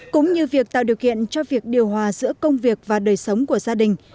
cũng như việc tạo điều kiện cho việc điều hòa giữa công việc và đời sống của gia đình